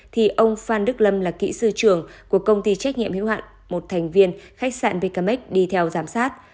thì ông phan đức lâm là kỹ sư trưởng của công ty trách nhiệm hiếu hạn một thành viên khách sạn bkmex đi theo giám sát